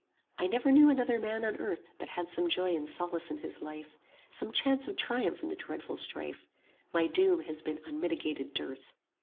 "I never knew another man on earth But had some joy and solace in his life, Some chance of triumph in the dreadful strife: My doom has been unmitigated dearth."